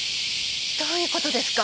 どういうことですか？